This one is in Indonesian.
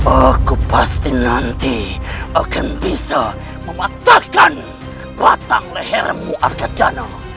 aku pasti nanti akan bisa mematahkan batang lehermu argadana